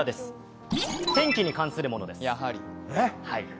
天気に関するものです。